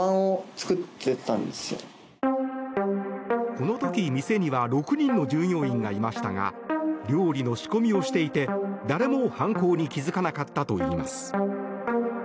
この時、店には６人の従業員がいましたが料理の仕込みをしていて誰も犯行に気づかなかったといいます。